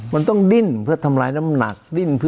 มันต้องดิ้นเพื่อทำร้ายน้ำหนักดิ้น